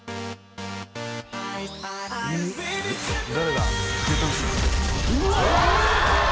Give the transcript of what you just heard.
誰だ？